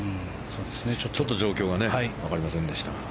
ちょっと状況がわかりませんでした。